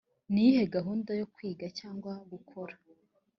ni iyihe gahunda yo kwiga cyangwa gukora‽